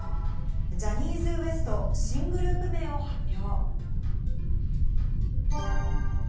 ジャニーズＷＥＳＴ、新グループ名を発表。